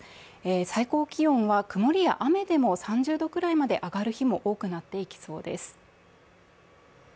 最高気温は曇りや雨でも３０度くらいまで上がる日も多くなっていきそうです。